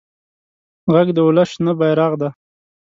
غږ د ولس شنه بېرغ دی